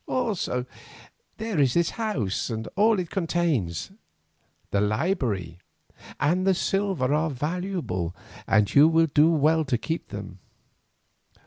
Also there is this house and all that it contains; the library and the silver are valuable, and you will do well to keep them.